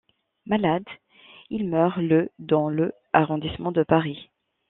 Malade, il meurt le dans le arrondissement de Paris.